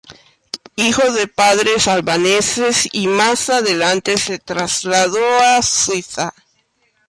Hijo de padres albaneses y más adelante se trasladó a Suiza.